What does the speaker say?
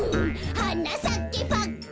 「はなさけパッカン」